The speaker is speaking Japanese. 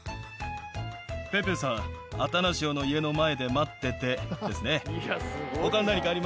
ペペさん、アタナシオの家の前で待っててですね。